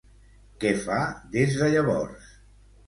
Què fa des de llavors?